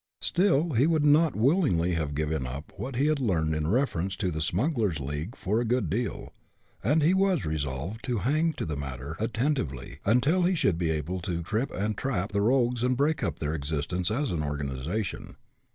Still, he would not willingly have given up what he had learned in reference to the smugglers' league for a good deal, and he was resolved to hang to the matter attentively, until he should be able to trip and trap the rogues and break up their existence as an organization.